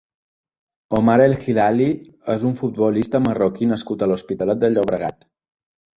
Omar El Hilali és un futbolista marroquí nascut a l'Hospitalet de Llobregat.